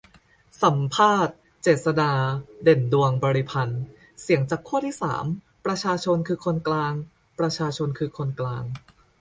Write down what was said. สัมภาษณ์ เจษฎา เด่นดวงบริพันธ์ : เสียงจากขั้วที่สาม 'ประชาชนคือคนกลาง' ประชาชนคือคนกลาง